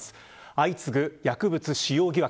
相次ぐ薬物使用疑惑。